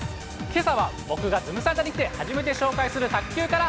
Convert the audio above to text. けさは僕がズムサタに来て初めて紹介する卓球から。